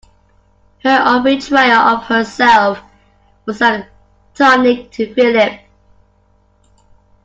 Her own betrayal of herself was like tonic to Philip.